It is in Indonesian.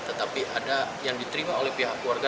tetapi ada yang diterima oleh pihak keluarga